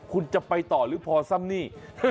คุณจะไปต่อหรือพอซ้ำนี่